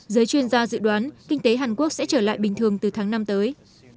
giới chuyên gia dự đoán kinh tế hàn quốc sẽ trở lại bình thường từ tháng năm tới